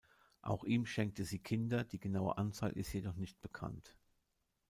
Auch ihm schenkte sie Kinder, die genaue Anzahl ist jedoch nicht bekannt.